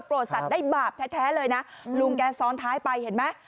สัตว์ได้บาปแท้เลยนะลุงแกซ้อนท้ายไปเห็นไหม